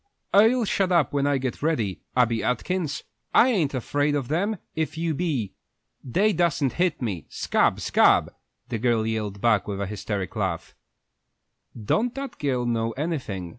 "I'll shut up when I get ready, Abby Atkins! I ain't afraid of them if you be. They dassen't hit me. Scab, scab!" the girl yelled back, with a hysteric laugh. "Don't that girl know anything?"